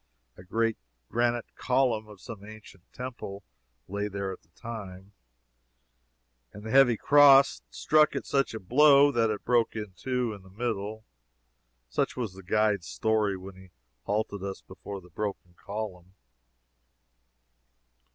A great granite column of some ancient temple lay there at the time, and the heavy cross struck it such a blow that it broke in two in the middle. Such was the guide's story when he halted us before the broken column.